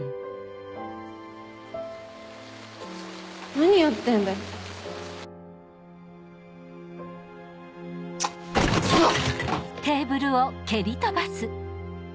何やってんだよクソっ！